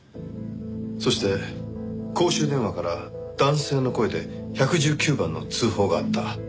そして公衆電話から男性の声で１１９番の通報があった。